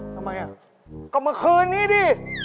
ทำไมอ่ะก็เมื่อคืนนี้ดิ